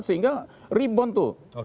sehingga rebound tuh